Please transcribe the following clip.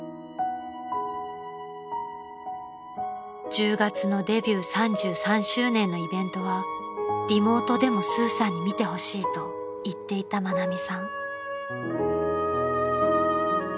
［１０月のデビュー３３周年のイベントはリモートでもスーさんに見てほしいと言っていた愛美さん］